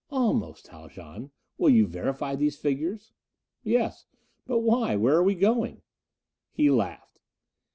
"Almost. Haljan, will you verify these figures?" "Yes. But why? Where are we going?" He laughed.